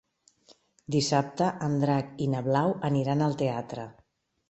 Dissabte en Drac i na Blau aniran al teatre.